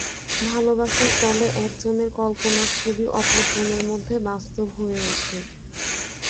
ভালবাসার ফলে একজনের কল্পনার ছবি অপর জনের মধ্যে বাস্তব হয়ে ওঠে।